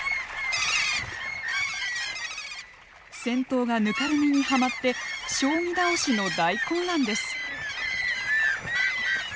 先頭がぬかるみにはまって将棋倒しの大混乱です。